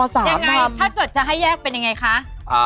ยังไงถ้าเกิดจะให้แยกเป็นยังไงคะ